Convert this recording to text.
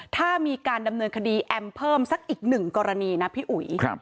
ถ้ามีการดำเนินคดีแอมเพิ่มสักอีกหนึ่งกรณีนะพี่อุ๋ย